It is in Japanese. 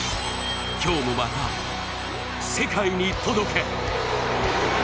今日もまた、世界に届け！